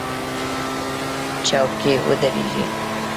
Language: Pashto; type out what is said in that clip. چوک کې ودرېږئ